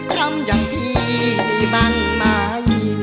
คำอย่างพี่หันมันวาย